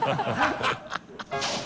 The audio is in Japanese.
ハハハ